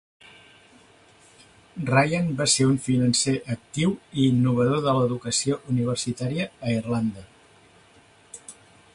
Ryan va ser un financer actiu i innovador de l'educació universitària a Irlanda.